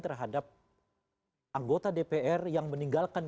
terhadap anggota dpr yang meninggalkan